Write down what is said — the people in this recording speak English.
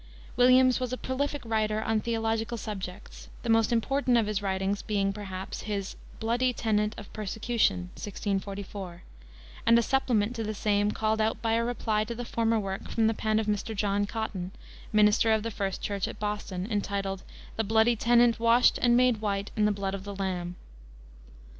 Williams was a prolific writer on theological subjects, the most important of his writings being, perhaps, his Bloody Tenent of Persecution, 1644, and a supplement to the same called out by a reply to the former work from the pen of Mr. John Cotton, minister of the First Church at Boston, entitled The Bloody Tenent Washed and made White in the Blood of the Lamb.